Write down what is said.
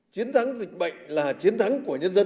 chiến thắng dịch bệnh là chiến thắng của nhân dân